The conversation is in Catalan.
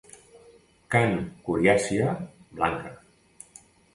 Carn coriàcia, blanca.